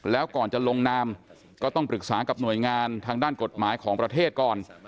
แล้วก่อนจะลงนามก็ต้องปรึกษากับหน่วยงานทางด้านกฎหมายของประเทศก่อน